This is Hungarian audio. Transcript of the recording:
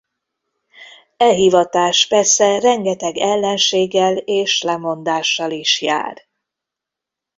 E hivatás persze rengeteg ellenséggel és lemondással is jár.